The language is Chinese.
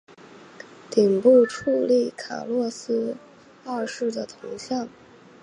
顶部矗立卡洛斯二世的铜像。